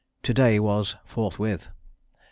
To day was "forthwith." .